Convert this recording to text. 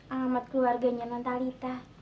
alamat keluarganya nantalita